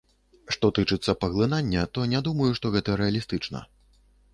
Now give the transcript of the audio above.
Што тычыцца паглынання, то я не думаю, што гэта рэалістычна.